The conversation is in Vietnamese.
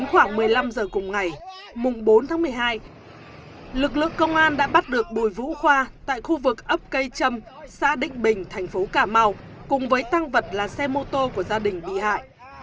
công an đã bắt được bùi vũ khoa tại khu vực ấp cây trâm xa định bình thành phố cà mau cùng với tăng vật là xe mô tô của gia đình bị hại